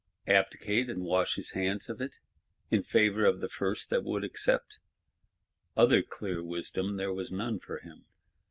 Abdicate, and wash his hands of it,—in favour of the first that would accept! Other clear wisdom there was none for him.